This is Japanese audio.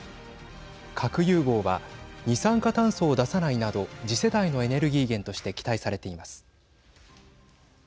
核融合は二酸化炭素を出さないなど次世代のエネルギー源として期待されています。